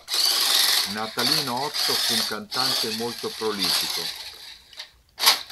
Natalino Otto fu un cantante molto prolifico.